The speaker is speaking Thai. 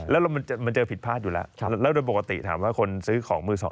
แล้วมันเจอผิดพลาดอยู่แล้วแล้วโดยปกติถามว่าคนซื้อของมือสอง